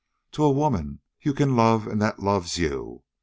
"To a woman you can love an' that loves you.